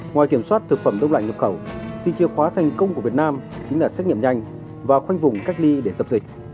ngoài kiểm soát thực phẩm đông lạnh nhập khẩu thì chìa khóa thành công của việt nam chính là xét nghiệm nhanh và khoanh vùng cách ly để dập dịch